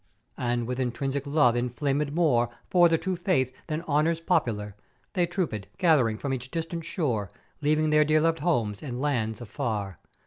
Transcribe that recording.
"And with intrinsic love inflamèd more for the True Faith, than honours popular, they troopèd, gath'ering from each distant shore, leaving their dear loved homes and lands afar.